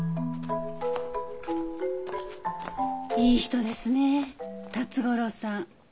いい人ですねえ辰五郎さん。